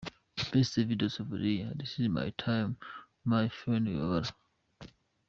Best Video of the year: This is my time by Phanny Wibabara.